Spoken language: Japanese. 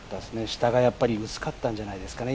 下が薄かったんじゃないですかね